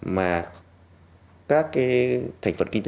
mà các cái thành phần kinh tế